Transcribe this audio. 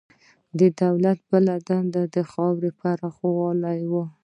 د دولت بله دنده د خاورې پراخول وو.